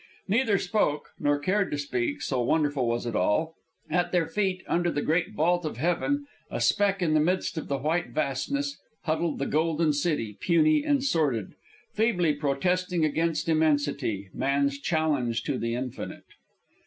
Neither spoke, nor cared to speak, so wonderful was it all. At their feet, under the great vault of heaven, a speck in the midst of the white vastness, huddled the golden city puny and sordid, feebly protesting against immensity, man's challenge to the infinite!